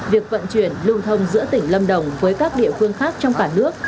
việc vận chuyển lưu thông giữa tỉnh lâm đồng với các địa phương khác trong cả nước